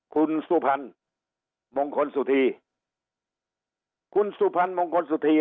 คุณสุพรรณมงคลสุธีคุณสุพรรณมงคลสุธี